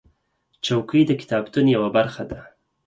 چوکۍ د کتابتون یوه برخه ده.